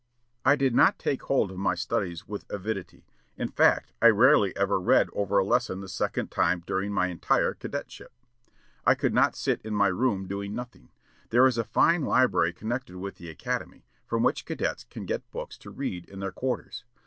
I did not take hold of my studies with avidity, in fact I rarely ever read over a lesson the second time during my entire cadetship. I could not sit in my room doing nothing. There is a fine library connected with the academy, from which cadets can get books to read in their quarters.